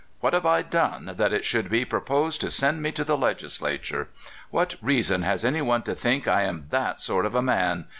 What have I done, that it should be proposed to send me to the Legislature? What reason has any one to think I am that sort of a man?